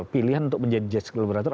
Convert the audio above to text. pilihan untuk menjadi justice collaborator